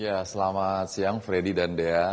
ya selamat siang freddy dan dea